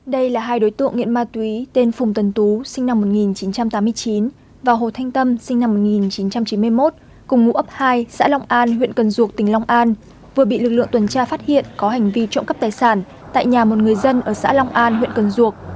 đây là hai đối tượng nghiện ma túy tên phùng tân tú sinh năm một nghìn chín trăm tám mươi chín và hồ thanh tâm sinh năm một nghìn chín trăm chín mươi một cùng ngụ ấp hai xã long an huyện cần duộc tỉnh long an vừa bị lực lượng tuần tra phát hiện có hành vi trộm cắp tài sản tại nhà một người dân ở xã long an huyện cần duộc